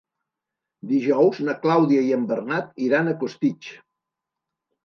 Dijous na Clàudia i en Bernat iran a Costitx.